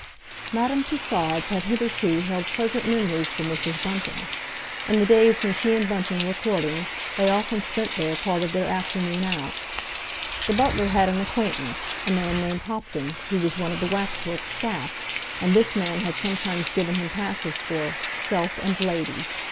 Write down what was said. Madame Tussaud's had hitherto held pleasant memories for Mrs. Bunting. In the days when she and Bunting were courting they often spent there part of their afternoon out. The butler had an acquaintance, a man named Hopkins, who was one of the waxworks staff, and this man had sometimes given him passes for "self and lady."